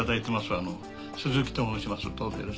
あの鈴木と申します。